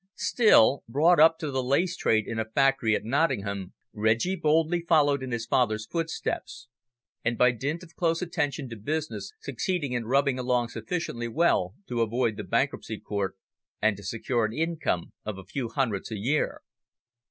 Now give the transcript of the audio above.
Still, brought up to the lace trade in a factory at Nottingham, Reggie boldly followed in his father's footsteps, and by dint of close attention to business succeeding in rubbing along sufficiently well to avoid the bankruptcy court, and to secure an income of a few hundreds a year.